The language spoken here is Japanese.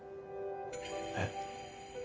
えっ？